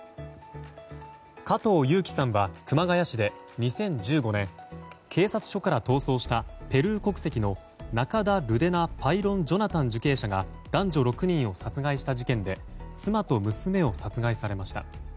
加藤裕希さんは熊谷市で警察署から逃走したペルー国籍のナカダ・ルデナ・パイロン・ジョナタン受刑者が男女６人を殺害した事件で妻と娘を殺害されました。